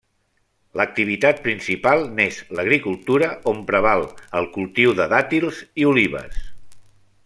L'activitat principal n'és l'agricultura, on preval el cultiu de dàtils i olives.